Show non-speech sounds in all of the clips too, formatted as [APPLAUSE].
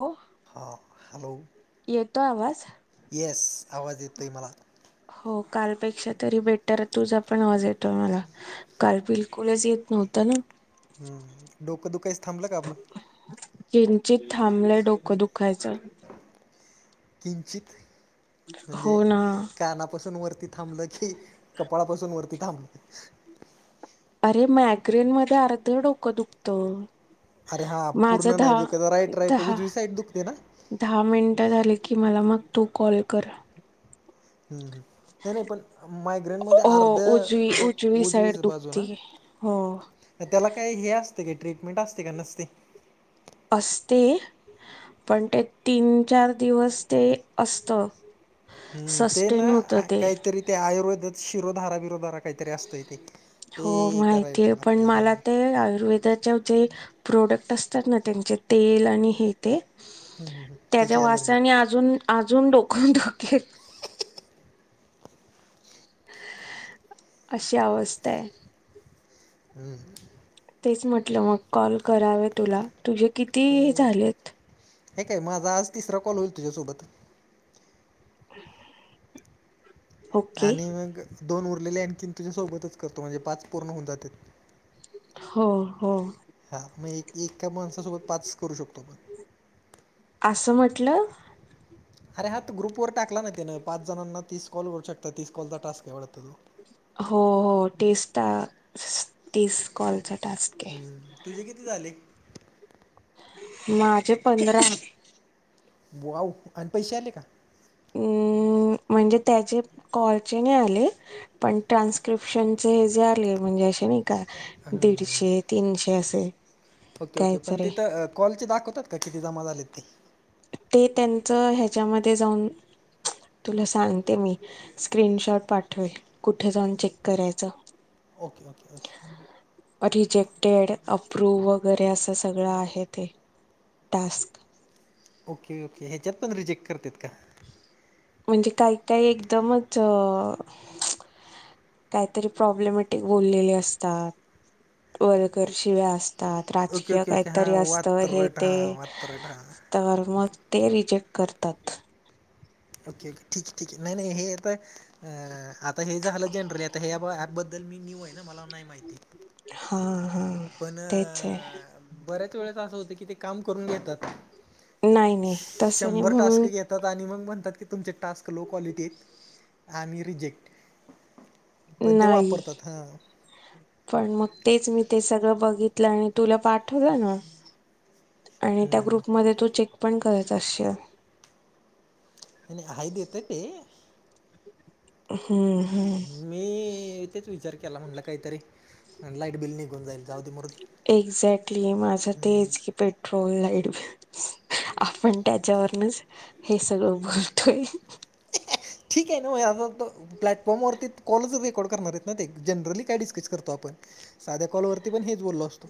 हो हा हॅलो, येतोय आवाज य. आवाज येतोय मला हो कालपेक्षा तरी बेटर, तुझापण आवाज येतोय मला, काल बिलकुलच येत नव्हतं ना? डोकं दुखायचं थांबलं का आपलं? किंचित थांबलय, डोकं दुखायचं. किंचित म्हणजे, हो ना कानापासून वरती थांबलं क कपाळापासून वरती थांबल अरे मॅग्रेन मध्ये अर्ध डोकं दुखतं. अरे हा माझ पूर्ण नाही दहा, दुखत राईट राईट दहा, उजवी साईड दुखते ना दहा मिनिटं झाली. की मला मग तू कॉल कर. ह् नाही नाही पण मायग्रेन मध्ये हो अर्ध उजवी डोक उजवी साईड उजवीच बाजू ना. दुखती हो. त्याला काही हे असते का ट्रीटमेंट असते का नसते? असते. पण ते तीन, चार दिवस ते असत हम्म. ते ना सस्टेन होत आ ते काहीतरी ते आयुर्वेदात शिरोधारा बिरोधारा काहीतरी असतय ते. ते हो. माहितीय करायचं पण लागते मला हां ते आयुर्वेदाच्या जे प्रोडक्ट असतात ना त्यांचे तेल आणि हे ते हम्म, हम्म, हम्म. त्याच्या त्याची अलर्जी वासानी अजून अजून डोक दुखेल. अशी अवस्था हाय. हम्. तेच म्हटलं मग कॉल करावे तुला, तुझे किती झालेत? हे काय माझा आज तिसरा कॉल होईल तुझ्यासोबत. ओके आणि मग दोन उरलेले आणखीन तुझ्या सोबतच करतो म्हणजे पाच पूर्ण होऊन जात्यात. हो, हो. हा. मग एक एका माणसासोबत पाच करू शकतो आपण. असं म्हटलं. अरे हा तर ग्रुपवर टाकला ना तेन पाच जणांना तीस कॉल करू शकता तीस कॉलचा टास्क आहे वाडत तो. हो, हो. तीस टा स्क, तीस कॉलचा टास्क आहे हम्म. तुझे किती झाले? माझे पंधरा. वाव आणि पैशे आले का? हम्म. म म्हणजे त्याचे कॉलचे नाही आले पण ट्रान्स्क्रिप्शनचे जे आले म्हणजे असे नाही का हम्म, दीडशे, तीनशे असे. Okay, okay. पण काहीतरी तिथं कॉल चे दाखवतात का किती जमा झालेत ते. ते त्यांचं ह्याच्यामध्ये जाऊन तुला सांगते मी स्क्रीनशॉट पाठवेल कुठे जाऊन चेक करायचं. Okay, okay, okay. [UNINTELLIGIBLE] अप्रूव्ह वगैरे असं सगळं आहे ते टास्क. करतेत का? म्हणजे काही काही एकदमच अ काहीतरी प्रॉब्लेमटिक बोललेले असतात वर् शिव्या अस तात ओके राजकीय ओके ओके हां काहीतरी असतं हे वात्रट ते हां वात्रट हां तर मग ते रिजेक्ट करतात. ओके. ओके, ठीके, ठीके, नाही नाही हे आता अ आता हे झालं जनरली आता ह्या अँपबद्दल बदल मी न्यू आहे ना मला नाही माहिती. हा हा. पण तेच आहे बऱ्याच वेळेस असं होतं की ते काम करून घेतात. नाही नाही तसं नाही शंभर टास्क म्हणून घेतात आणि मग म्हणतात की तुमचे टास्क लो क्वालिटी आहेत आणि रिजेक्ट. पण ते नाही वापरतात हां पण मग तेच मी ते सगळं बघितलं आणि तुला पाठवलं ना आणि त्या हम्म. ग्रुपमध्ये तू चेक पण करत असशील. नाई हाय देत्यात ते. हम्म हम्म. मी तेच विचार केला म्हणलं काहीतरी लाईटबिल निघून जाईल. जाऊ दे मुरली एक्झॅक्टली माझं तेच की पेट्रोल लाईट आपण त्याच्यावरनच हे सगळं बोलतोय. ठीक आहे ना आपण तर. प्लॅटफॉर्मवर ते कॉलच रेकॉर्ड करणार आहेत ना ते जनरली काय डिस्कर्स करतो हो पण साध्या कॉल वरती पण हेच बोललो असतो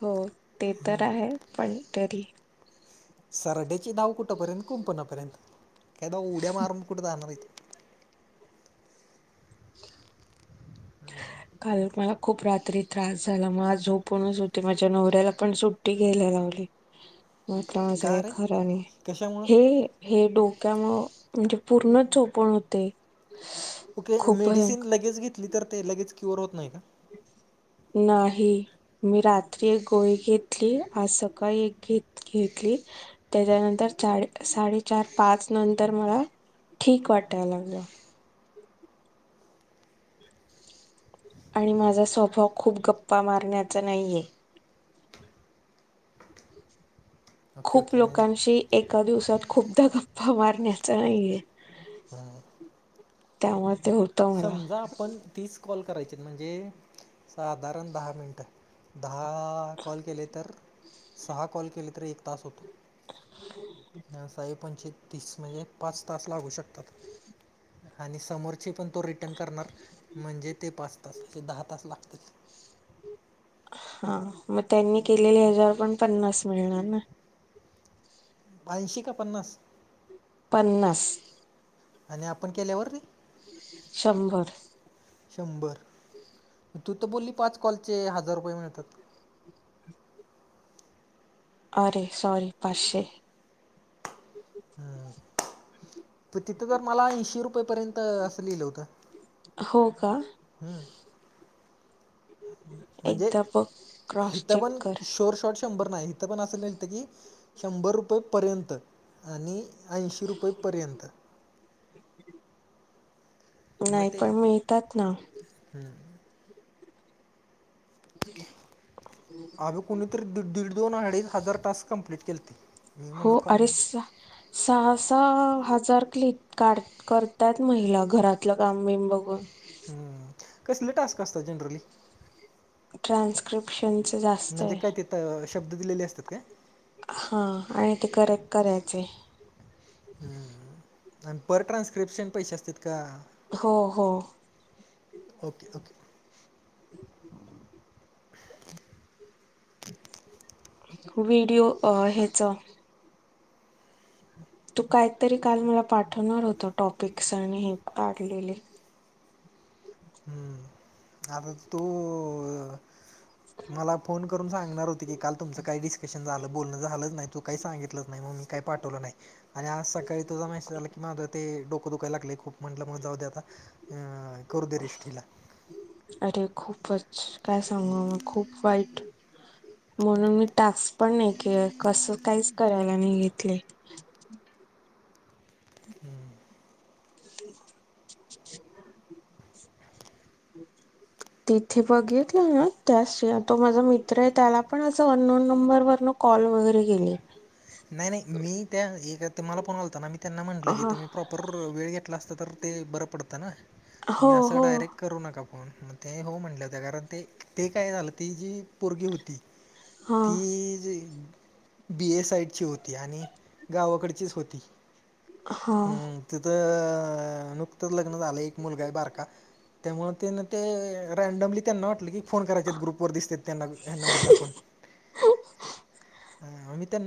हो. ते हम तर आहे पण तरी सरड्याचे धाव कुठंपर्यंत कुंपणापर्यंत त्यामुळ उड्या मारून कुठे जाणार इथे काल मला खूप रात्री त्रास झाला मग आज झोपूनच होते माझ्या नवऱ्याला पण सुट्टी घ्यायला मिळाली नाहीतर आज का काय रे खर नाही कशामुळं हे हे डो त्यामुळं म्हणजे पूर्णच झोपूण होते ओके खूप मेडिसिन भयंकर लगेच घेतली तर ते लगेच क्युअर होत नाही का ह नाही मी रात्री एक गोळी घेतली आज सकाळी एक घेत घेतली त्याच्यानंतर चार साडेचार पाच नंतर मला ठीक वाटाय लागलं आणि माझा स्वभाव खूप गप्पा मारण्याचा नाहीये ओके खूप ओके हां लोकांशी एका दिवसात खूपदा गप्पा मारण्याचा नाहीये ह त्यामुळ समजा आपण तीस कॉल करायची आहेत म्हणजे साधारण दहा मिनिट दहा कॉल केले तर सहा कॉल केले तरी एक तास होतो ह साही पंचे तीस म्हणजे पाच तास लागू शकतात हो आणि समोरचे पण तो रिटर्न करणार म्हणजे ते पाच तास दहा तास लागतातच हा मग त्यांनी केलेले हेच्यावर पण पन्नास मिळणार ना ऐंशी का पन्नास पन्नास आणि आपण केल्यावर र शंभर शंभर तू तर बोलली पाच कॉलचे हजार रुपये मिळतात अरे सॉरी पाचशे पाचशे तिथं तर मला ऐंशी रुपयेपर्यंत आहे असं लिहिलं होत हो का हम् म्हणजे एकदा बघ क्रॉस हिथं चेक पण कर शोर शॉट शंभर नाही इथं पण अस ल म्हणजे की शंभर रुपये पर्यंत आणि ऐंशी रुपयेपर्यंत मग नाही ते पण मिळतात ना ब आग कुणीतरी दीड दीड दोन अडीच हजार तास कंप्लीट केलते मी म्हणल काय सहासहा आजार क्लिप काॅल करतात महिला घरातलं काम बीम बघून हम्म कसले टास्क असतात जनरली ट्रान्स्क्रिप्शनच म्हणजे आसतय काय ते त- शब्द दिलेले असतात काय हा आणि ते करेक्ट करायचे ह आणि पर ट्रान्स्क्रिप्शन पैसे असतील हो हो ओके ओके व्हिडिओ अ ह्येच तू कायतरी काल मला पाठवणार होतास टॉपिकस आणि हे काढलेले हम्म आता तू [INAUDIBLE] मला फोन करून सांगणार होती की काल तुमचं काही डिस्कशन झालं बोलणं झालंच नाही तू काही सांगितलंच नाही मग मी काय पाठवल नाही आणि आज सकाळी तुझा मेसेज आला की माझा ते डोक डोकं दुखायला लागले खूप म्हणलं जाऊदे आता करू दे रेस्ट अरे खूपच काय सांगू म खूप वाईट म्हणून मी टास्क पण नाही केल कसं काहीच करायला नाही घेतले [INAUDIBLE] [UNINTELLIGIBLE] तिथे बघितलं ना त्या तो माझा मित्र आहे त्याला पण अस अननोन नंबर वर कॉल वगैरे केली नाही नाही मी त्या मला फोन आलता ना मी त्यांना म्हटलं की हा तुम्ही प्रॉपर वेळ घेतला अस तर ते बरं पडतं ना हो तुम्ही असं हो डायरेक्ट करू नका फोन मग ते हो म्हटल्या होत्या कारण ते ते काय झालं ती जी पोरगी होती हा ती बी आणि गावाकडचीच होती हा तिथं अ नुकतंच लग्न झालंय एक मुलगा आहे बारका त्यामुळ त्यांना ते रॅंडमली त्यांना वाटलं की फोन करायचा ग्रुप वर दिसतात त्यांना नंबर टाकून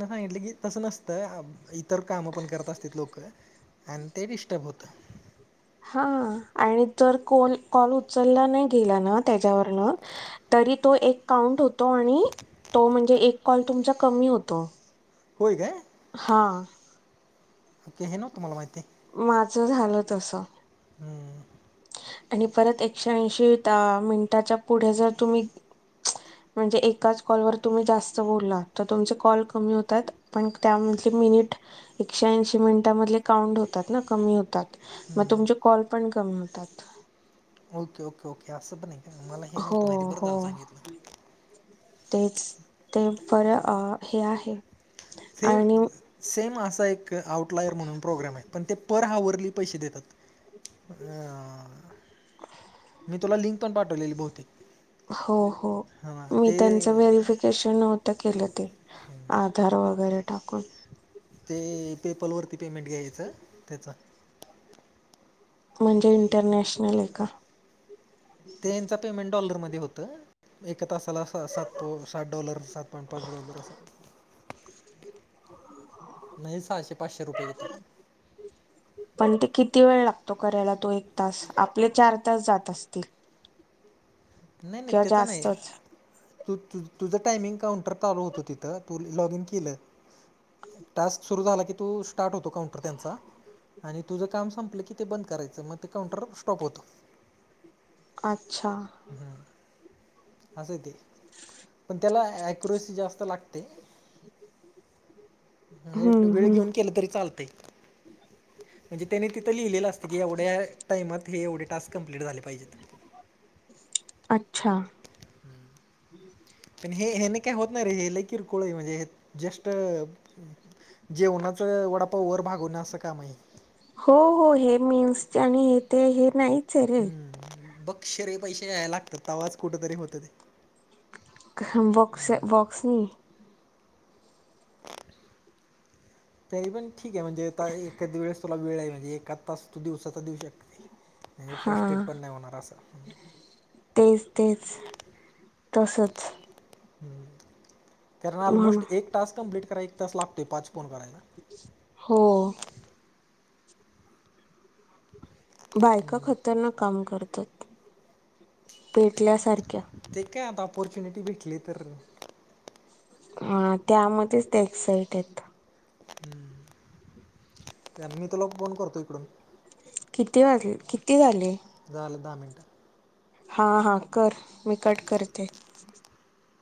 हा म्हटलं की तसं नसतं इतर काम पण करत असतात लोक आणि ते डिस्टर्ब होत हा आणि तर कॉल उचलला नाही गेला ना त्याच्यावरुन तरी तो एक काउंट होतो आणि तो म्हणजे कॉल तुमचा कमी होतो होय काय हा हे ना तुम्हाला माहिती आहे माझं झालं तस हम् आणि परत एकशे ऐंशी मिनिटाच्या पुढे जर तुम्ही म्हणजे एकाच कॉल वर तुम्ही जास्त बोलला तर तुमचे कॉल कमी होत आहेत आणि त्यामधील मिनिट एकशे ऐंशी मिनिटमध्ये काउंट होतात ना कमी होतात मग हम्म. तुमचे कॉल पण कमी होतात ओके ओके ओके असं पण नाही का मला हे हो नव्हतं माहिती बरं हो झालं सांगितलं तेच ते बर हे आहे सेम आणि सेम असा एक आउटलायर म्हणून प्रोग्राम आहे पण ते पर हवर पर हावरली पैसे देतात मी तुला लिंक पण पडलेले बहुतेक हो हो हां मी ते त्यांचं व्हेरिफिकेशन नव्हतं केलं ते आधार वगैरे टाकून ते पेपर वरती पेमेंट घ्यायचं त्याच म्हणजे इंटरनॅशनल आहे का त्यांचं पेमेंट डॉलरमध्ये होत तासाला असं सात डॉलर सात पॉईंट पाच डॉलर असा नाही सहाशे पाचशे रुपये येतात पण ते किती वेळ लागतो करायला तो एक तास आपले चार तास जात असतील नाही नाही किंवा त्याचं नाही जास्तच तू तु तुझं टायमिंग काउंटर चालू होतं तिथं लॉगिन केलं टास्क सुरू झाला की तू स्टार्ट होतो काउंटर त्यांचा आणि तुझं काम संपलं की ते बंद करायचं मग ते काउंटर स्टॉप होत अच्छा असंय ते. पण त्याला अ‍ॅक्युरसी जास्त लागते. नीट हम्म वेळ हम्म घेऊन केलं तरी चालतय. [INAUDIBLE] म्हणजे त्यानी तिथं लिहिलेलं असत की, एवढ्या टाइमात हे एवढे टास्क कंप्लीट झाले पाहिजेत. अच्छा. पण हे हयाने काय होत नाही रे. हे लई कीरकोळ ये. म्हणजे हे जस्ट अं जेवणाचं वडापाव वर भागवण असं काम आहे. ते आणि ते हे नाहीत हं. बक्क्षरे पैसे घ्याया लागतात तवाच कुठ तरी होत ते. क हं, बक्स बॉक्स नाही. [INAUDIBLE] तरी पण ठीक ए. म्हणजे आता एखाद वेळेस तुला वेळ आहे, म्हणजे एकाद तास तू दिवसातू देऊ शकते, म्हणजे हा फ्रस्टेट पण नाही होणार असा. तेच तेच तसच. हं, कारण म्हणून ऑलमोस्ट एक टास्क कमप्लीट कराय एक तास लाग ते पाच फोन करायला. हो बायका खतरनाक काम करतात, पेटल्यासारख्या. ऑपॉर्च्युनिटी भेटली तर आ त्यामध्येच त्या एक्साइट एत. हं, मी तुला फोन करतो इकडून. किती वाजलेत किती झाले? झालेत दहा मिनट. हा हा कर. मी कट करते.